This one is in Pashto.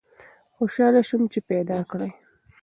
خوشحاله سوم چي پیداکړې